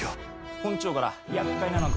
本庁から厄介なのが来るから。